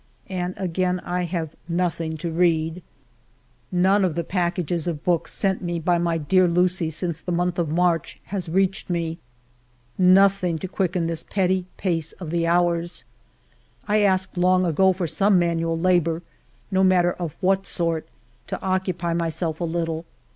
And again I have nothing to read. None of all the packages of books sent me by my dear Lucie since the month of March has 2o8 FIVE YEARS OF MY LIFE reached me. Nothing to quicken this petty pace of the hours. I asked long ago for some manual labor, no matter of what sort, to occupy myself a little.